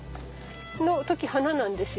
この時花なんですよ。